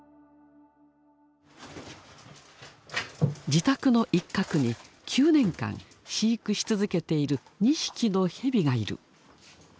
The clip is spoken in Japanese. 自宅の一角に９年間飼育し続けている２匹のヘビがいる。